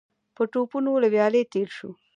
په ټوپونو له ويالې تېر شو.